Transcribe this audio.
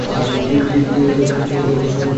তিনি তার ওপর সওয়ার হলেন।